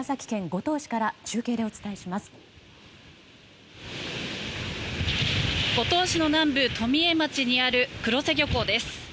五島市の南部富江町にある黒瀬漁港です。